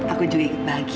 aku juga yakin bahagia